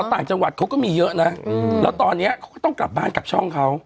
ต่างจังหวัดเขาก็มีเยอะนะแล้วตอนนี้เขาก็ต้องกลับบ้านกลับช่องเขา